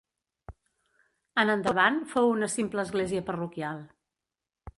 En endavant fou una simple església parroquial.